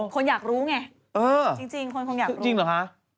คนอยากรู้ไงจริงคนคงอยากรู้